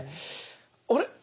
あれ？